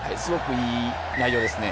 いい内容ですね。